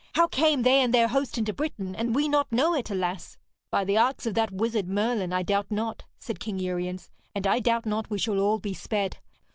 How came they and their host into Britain, and we not know it, alas?' 'By the arts of that wizard Merlin, I doubt not,' said King Uriens. 'And I doubt not we shall all be sped.